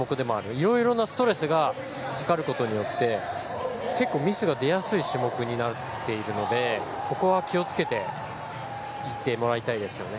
いろいろなストレスがかかることによって結構ミスが出やすい種目になっているのでここは気を付けていってもらいたいですね。